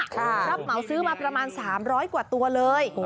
รับเหมาซื้อมาประมาณ๓๐๐กว่าตัวเลย